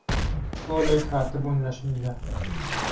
پۆلێک هاتبوون نهشميله